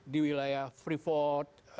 di wilayah freeport